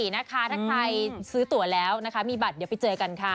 ถ้าใครซื้อตัวแล้วนะคะมีบัตรเดี๋ยวไปเจอกันค่ะ